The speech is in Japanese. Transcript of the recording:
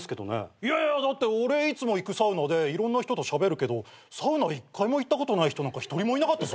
いやいや俺いつも行くサウナでいろんな人としゃべるけどサウナ一回も行ったことない人一人もいなかったぞ。